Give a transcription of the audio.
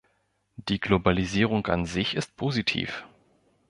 Die Globalisierung an sich ist positiv.